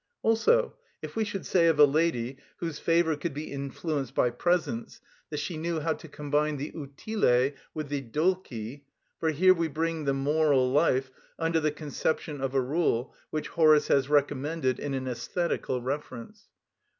Also, if we should say of a lady whose favour could be influenced by presents, that she knew how to combine the utile with the dulci. For here we bring the moral life under the conception of a rule which Horace has recommended in an æsthetical reference.